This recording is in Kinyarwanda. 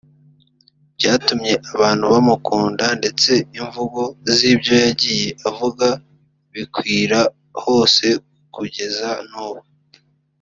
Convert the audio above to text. byatumye abantu bamukunda ndetse imvugo z’ibyo yagiye avuga bikwira hose kugeza n’ubu